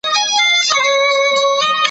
کېدای سي مېوې خراب وي؟!